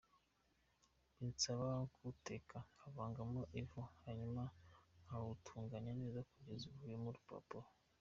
Binsaba kuwuteka nkavangamo ivu, hanyuma nkawutunganya neza kugeza uvuyemo urupapuro.